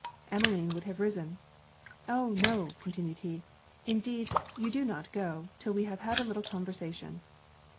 Emmeline would have risen. 'Oh! no,' continued he, 'indeed you do not go, 'till we have had a little conversation.'